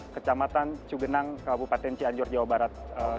kecamatan cugenang kabupaten cianjur jawa barat